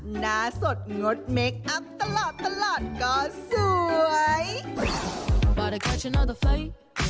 หน้าสดงดเมคอัพตลอดตลอดก็สวย